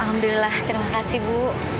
alhamdulillah terima kasih bu